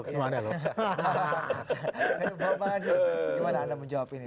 bapak adi gimana anda menjawab ini